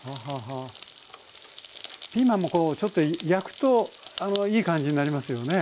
ピーマンもこうちょっと焼くといい感じになりますよね。